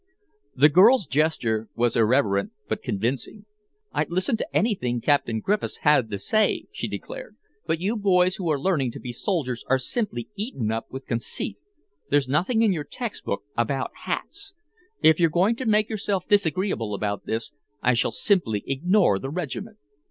The girl's gesture was irreverent but convincing. "I'd listen to anything Captain Griffiths had to say," she declared, "but you boys who are learning to be soldiers are simply eaten up with conceit. There's nothing in your textbook about hats. If you're going to make yourselves disagreeable about this, I shall simply ignore the regiment."